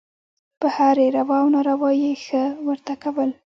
په هرې روا او ناروا یې «ښه» ورته کول.